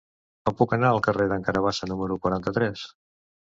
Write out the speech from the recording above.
Com puc anar al carrer d'en Carabassa número quaranta-tres?